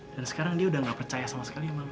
dan sekarang dia udah gak percaya sama sekali sama lo